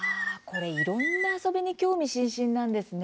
いろんな遊びに興味津々なんですね。